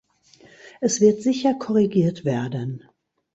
Es wird sicher korrigiert werden.